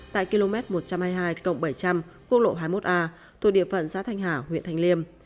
tại km một trăm hai mươi hai bảy trăm linh quốc lộ hai mươi một a thuộc địa phận xã thanh hà huyện thanh liêm